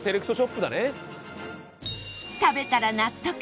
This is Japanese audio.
食べたら納得！